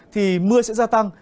thì mưa sẽ gia tăng